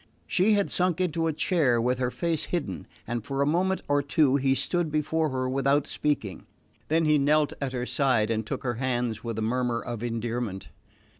She had sunk into a chair, with her face hidden, and for a moment or two he stood before her without speaking. Then he knelt at her side and took her hands with a murmur of endearment.